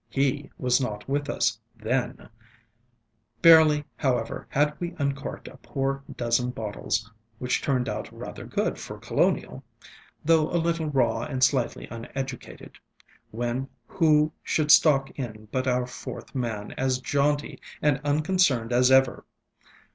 He was not with us then. Barely, however, had we uncorked a poor dozen bottles, which turned out rather good for colonial, though a little raw and slightly uneducated, when who should stalk in but our fourth man, as jaunty and unconcerned as ever.